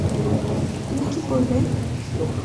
তুমি কী করবে?